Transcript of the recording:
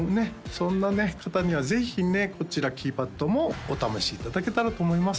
そんな方にはぜひねこちらキーパッドもお試しいただけたらと思います